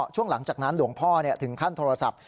ช่วงหลังจากนั้นหลวงพ่อถึงขั้นโทรศัพท์